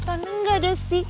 tapi entah tau kalo miss utuh